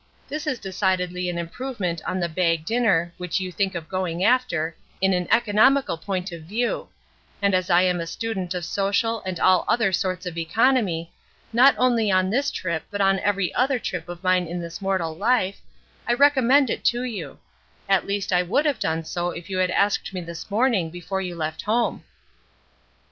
This is decidedly an improvement on the bag dinner (which you think of going after) in an economical point of view; and as I am a student of social and all other sorts of economy, not only on this trip but on every other trip of mine in this mortal life, I recommend it to you; at least I would have done so if you had asked me this morning before you left home."